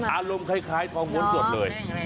อารมณ์คล้ายทองม้วนสดเลย